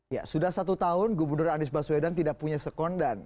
ya sudah satu tahun gubernur anies baswedan tidak punya sekondan